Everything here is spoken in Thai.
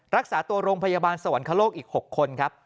รักษาตัวโรงพยาบาลสวรรคโลกอีก๖คนครับ